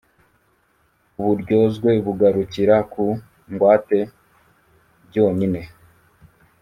uburyozwe bugarukira ku ngwate byonyine